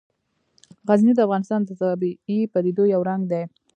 غزني د افغانستان د طبیعي پدیدو یو رنګ دی.